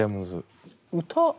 歌？